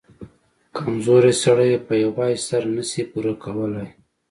کمزورى سړى يې په يوازې سر نه سي پورې کولاى.